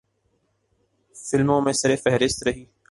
فلموں میں سرِ فہرست رہی۔